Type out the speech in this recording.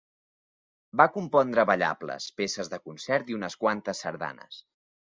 Va compondre ballables, peces de concert i unes quantes sardanes.